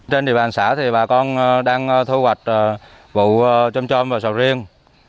trên địa bàn xã thì bà con đang thu hoạch vụ chôm chôm và sầu riêng